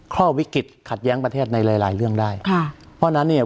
ข้อวิกฤตขัดแย้งประเทศในหลายหลายเรื่องได้ค่ะเพราะฉะนั้นเนี่ย